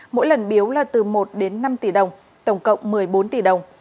mỗi lần biếu là từ một đến năm tỷ đồng tổng cộng một mươi bốn tỷ đồng